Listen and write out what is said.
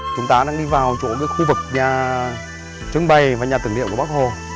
chúng ta đang đi vào chỗ khu vực nhà trứng bày và nhà tưởng điệu của bắc hồ